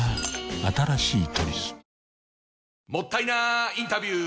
新しい「トリス」もったいなインタビュー！